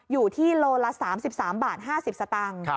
อยู่ที่โลละ๓๓บาท๕๐สตางค์